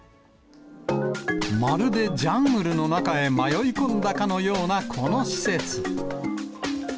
まるでジャングルの中へ迷い込んだかのようなこの施設。